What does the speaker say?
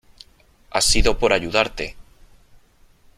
ha sido por ayudarte .